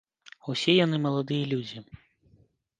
Усе яны маладыя людзі.